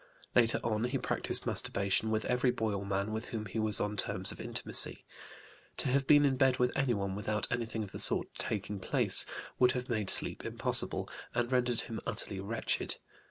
Later on he practised masturbation with every boy or man with whom he was on terms of intimacy; to have been in bed with anyone without anything of the sort taking place would have made sleep impossible, and rendered him utterly wretched.